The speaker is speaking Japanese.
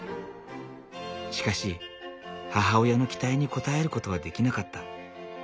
しかし母親の期待に応えることはできなかった。